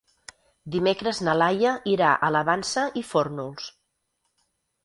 Dimecres na Laia irà a la Vansa i Fórnols.